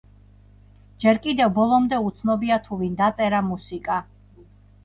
ჯერ კიდევ ბოლომდე უცნობია თუ ვინ დაწერა მუსიკა.